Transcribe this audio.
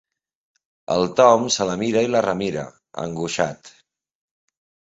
El Tom se la mira i la remira, angoixat.